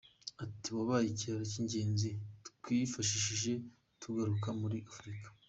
Ati "Wabaye ikiraro cy’ingenzi twifashishije tugarukaa muri Afurika.